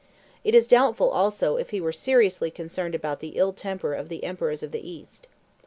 It is doubtful, also, if he were seriously concerned about the ill temper of the emperors of the East.